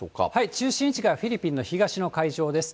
中心位置がフィリピンの東の海上です。